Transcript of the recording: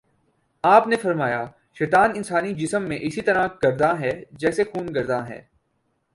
آپ نے فرمایا: شیطان انسانی جسم میں اسی طرح گرداں ہے جیسے خون گرداں ہے